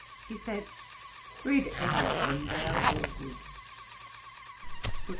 He said, 'Read any of them; they are all good.'